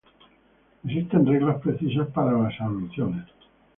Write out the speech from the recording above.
Existen reglas precisas para las abluciones.